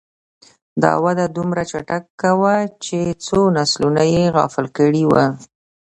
دا وده دومره چټکه وه چې څو نسلونه یې غافل کړي وو.